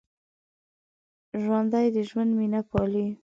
ژوندي د ژوند مینه پالي